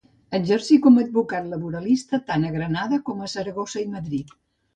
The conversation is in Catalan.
Exercí com a advocat laboralista tant a Granada com a Saragossa i Madrid.